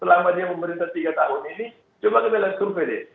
selama dia memberi setiga tahun ini coba ke belas kurvede